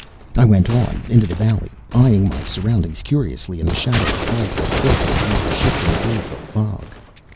I went on, into the valley, eyeing my surroundings curiously in the shadowless light that filtered through the shifting roof of fog.